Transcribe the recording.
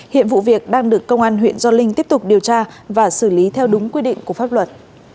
hiện vụ việc đang được công an huyện gio linh tiếp tục điều tra và xử lý theo đúng quy định của pháp luật